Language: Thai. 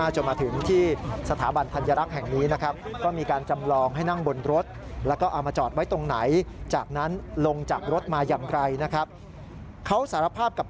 จนมาถึงที่สถาบันธัญรักษ์แห่งนี้นะครับ